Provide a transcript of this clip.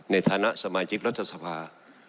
ในฐานะสมัยจีครัฐสภา